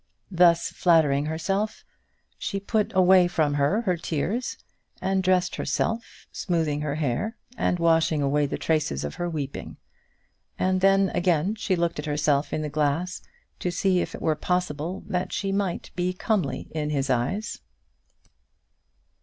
Thus flattering herself, she put away from her her tears, and dressed herself, smoothing her hair, and washing away the traces of her weeping; and then again she looked at herself in the glass to see if it were possible that she might be comely in his eyes.